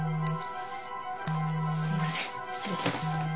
すいません失礼します。